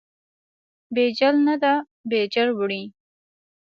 بیجل نه ده، بیجل وړي.